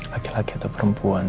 laki laki atau perempuan